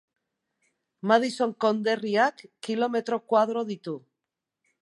Madison konderriak kilometro koadro ditu.